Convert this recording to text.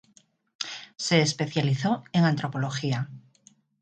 Se especializó en antropología.